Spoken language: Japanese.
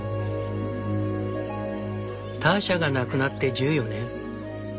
ターシャが亡くなって１４年。